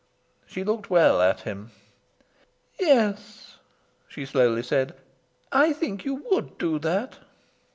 She looked well at him. "Yes," she slowly said, "I think you would do that."